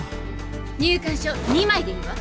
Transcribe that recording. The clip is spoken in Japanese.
入館証２枚でいいわ。